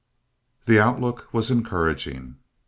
The outlook was encouraging.